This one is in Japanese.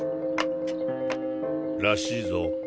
らしいぞ。